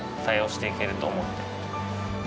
していけると思って。